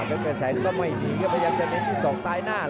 แฟนแบดแซนต้องไปอีกดีก็พยายามจะเน็ตด้วยส่องซ้ายหน้า